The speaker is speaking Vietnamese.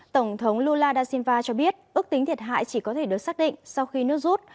tổng thống lula da silva cho biết ước tính thiệt hại chỉ có thể được xác định sau khi nước rút